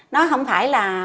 nó không phải là